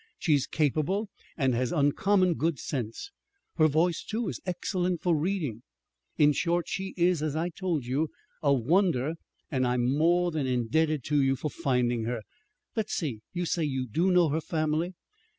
She's capable, and has uncommon good sense. Her voice, too, is excellent for reading. In short, she is, as I told you, a wonder; and I'm more than indebted to you for finding her. Let's see, you say you do know her family?"